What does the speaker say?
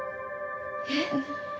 えっ？